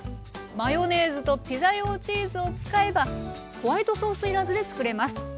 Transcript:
マヨネーズとピザ用チーズを使えばホワイトソースいらずでつくれます。